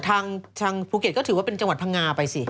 ทางภูเก็ตก็ถือว่าเป็นจังหวัดพังงาไปสิ